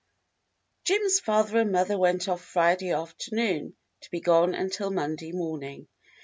Jim's father and mother went off Friday after noon to be gone until Monday morning.